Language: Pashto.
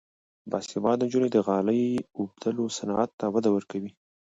باسواده نجونې د غالۍ اوبدلو صنعت ته وده ورکوي.